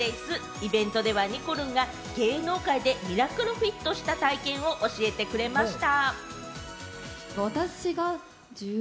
イベントでは、にこるんが芸能界でミラクルフィットした体験を教えてくれました。